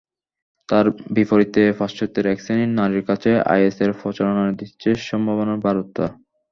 তার বিপরীতে পাশ্চাত্যের একশ্রেণির নারীর কাছে আইএসের প্রচারণা দিচ্ছে সম্ভাবনার বারতা।